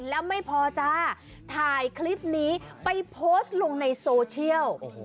แล้วไม่พอจ้าถ่ายคลิปนี้ไปโพสต์ลงในโซเชียล